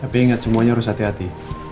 tapi ingat semuanya harus hati hati